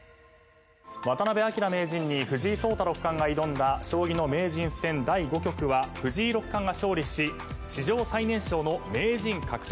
「渡辺明名人に藤井聡太六冠が挑んだ将棋の名人戦第５局は藤井六冠が勝利し史上最年少の名人獲得」